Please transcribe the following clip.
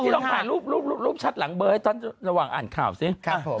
พี่ลองขายรูปชัดหลังเบอร์ให้ตอนระหว่างอ่านข่าวสิครับผม